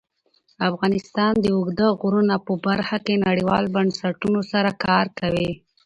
افغانستان د اوږده غرونه په برخه کې نړیوالو بنسټونو سره کار کوي.